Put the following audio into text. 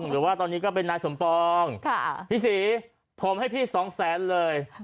หรือว่าตอนนี้ก็เป็นนายสมปองพี่ศรีผมให้พี่สองแสนเลย